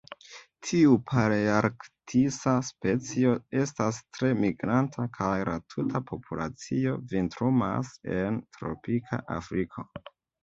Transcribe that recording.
Tiu palearktisa specio estas tre migranta kaj la tuta populacio vintrumas en tropika Afriko.